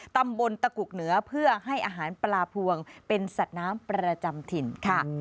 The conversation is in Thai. ตำบลตะกุกเหนือเพื่อให้อาหารปลาพวงเป็นสัตว์น้ำประจำถิ่นค่ะ